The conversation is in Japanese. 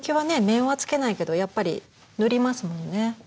面はつけないけどやっぱり塗りますもんね。